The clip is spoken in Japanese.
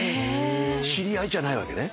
知り合いじゃないわけね？